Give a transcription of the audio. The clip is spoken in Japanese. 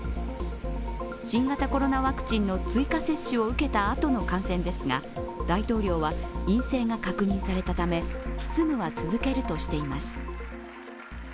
新型コロナワクチンの追加接種を受けたあとの感染ですが、大統領は陰性が確認されたため執務は続けるとしています。